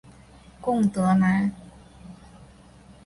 贡德兰。